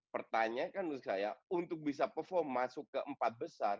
pertanyaan kan menurut saya untuk bisa perform masuk ke empat besar